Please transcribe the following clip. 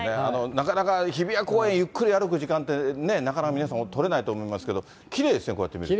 なかなか日比谷公園ゆっくり歩く時間ってね、なかなか皆さん、取れないと思いますけど、きれいですね、こうやって見ると。